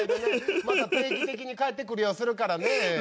また定期的に帰ってくるようするからね。